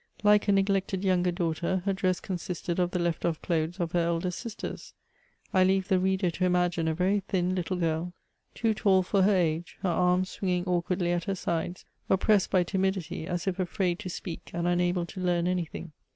Like a neglected younger daughter, her dress consisted of the left off clothes of her elder sisters. I leave the reader to imagine a very thin, Httle girl, too tall for her age, her arms svringing awkwardly at her sides, oppressed by timidity, as if afraid to speak, and unable to learn anything.